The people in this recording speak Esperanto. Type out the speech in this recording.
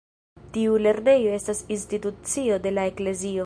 Tiu lernejo estas institucio de la eklezio.